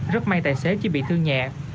rất may tài xế chỉ bị thương nhẹ